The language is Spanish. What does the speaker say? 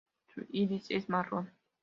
Su iris es marrón.